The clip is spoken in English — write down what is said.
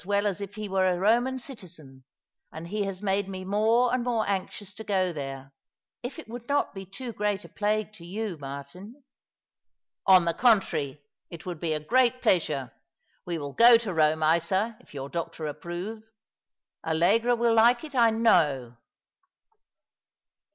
well as if he were a Roman citizen, and he has made me more and more anxious to go there. If it would not be a great plague to you, Martin." " On the contrary, it would be a great pleasure. We will go to Eome, Isa, if your doctor approve. Allegra will like it, I know."